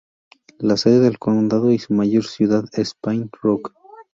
La sede del condado y su mayor ciudad es Paint Rock.